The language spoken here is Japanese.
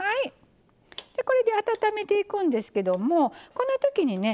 これで温めていくんですけどもこのときにね